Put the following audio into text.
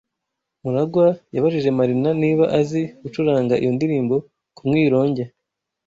MuragwA yabajije Marina niba azi gucuranga iyo ndirimbo ku mwironge.